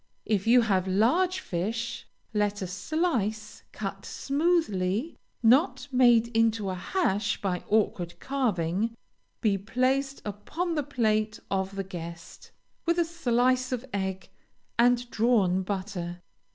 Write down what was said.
If you have large fish, let a slice, cut smoothly, not made into a hash by awkward carving, be placed upon the plate of the guest, with a slice of egg, and drawn butter.